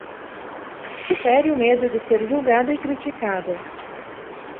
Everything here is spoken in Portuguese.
Supere o medo de ser julgada e criticada